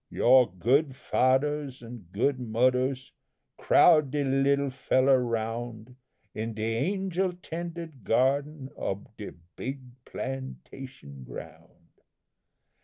Your good faders and good moders crowd de little fellow round In de angel tended garden ob de big Plantation Ground.